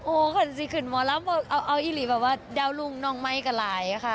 โอ้ขอนสิขึนหมอลำเอาอิหรี่แบบว่าดาวลุงนองไหม้กะหลายค่ะ